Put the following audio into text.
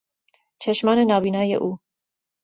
چشمان نابینای او